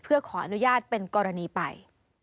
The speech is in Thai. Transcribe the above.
เพื่อขออนุญาตเป็นกรณีไป